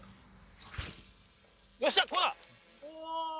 よっしゃこうだ！